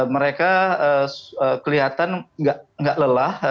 mereka kelihatan nggak lelah